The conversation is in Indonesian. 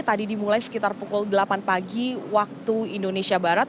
tadi dimulai sekitar pukul delapan pagi waktu indonesia barat